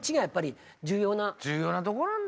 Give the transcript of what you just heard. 重要なとこなんだ。